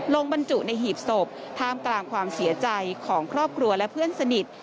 บรรจุในหีบศพท่ามกลางความเสียใจของครอบครัวและเพื่อนสนิท